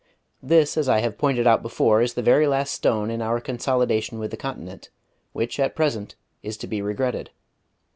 This, as I have pointed out before, is the very last stone in our consolidation with the continent, which, at present, is to be regretted....